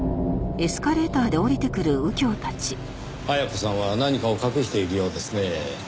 絢子さんは何かを隠しているようですねぇ。